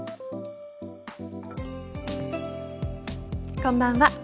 こんばんは。